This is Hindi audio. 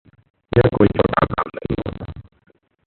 यह कोई छोटा काम नहीं होता।